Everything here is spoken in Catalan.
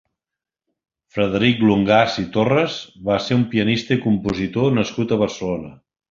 Frederic Longàs i Torres va ser un pianista i compositor nascut a Barcelona.